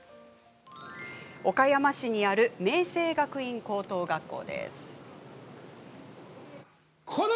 岡山市にある明誠学院高等学校。